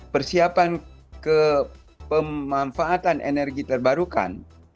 persiapan ke pemanfaatan energi terbarukan